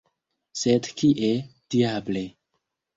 Sed kie, diable!